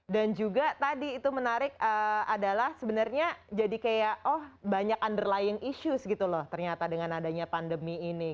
dan juga tadi itu menarik adalah sebenarnya jadi kayak oh banyak underlying issues gitu loh ternyata dengan adanya pandemi ini